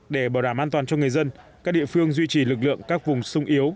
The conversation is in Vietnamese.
để bảo đảm an toàn cho người dân các địa phương duy trì lực lượng các vùng sung yếu